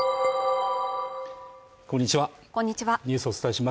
こんにちは